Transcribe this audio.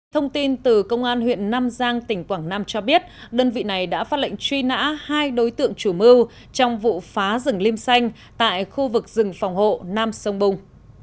thông tin từ công an huyện nam giang tỉnh quảng nam cho biết đơn vị này đã phát lệnh truy nã hai đối tượng chủ mưu trong vụ phá rừng lim xanh tại khu vực rừng phòng hộ nam sông bung